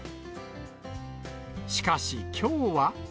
しかし、きょうは。